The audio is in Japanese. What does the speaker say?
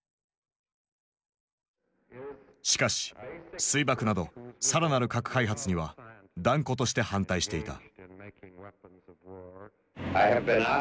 しかし水爆など更なる核開発には断固として反対していた。